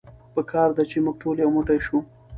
په کار ده چې مونږ ټول يو موټی شو.